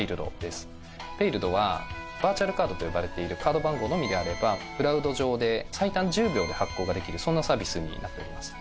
ｐａｉｌｄはバーチャルカードと呼ばれているカード番号のみであればクラウド上で最短１０秒で発行ができるそんなサービスになっております。